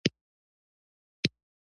پانګوال خپله ټوله پانګه په هېواد کې نه اچوي